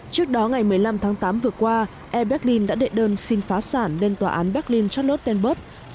trước đó ngày một mươi năm tháng tám vừa qua air berlin đã đệ đơn xin phá sản lên tòa án berlin chartnot tenberg